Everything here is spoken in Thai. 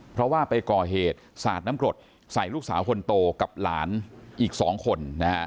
เพราะว่าไปก่อเหตุสาดน้ำกรดใส่ลูกสาวคนโตกับหลานอีก๒คน